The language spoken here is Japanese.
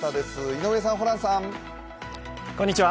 井上さん、ホランさん。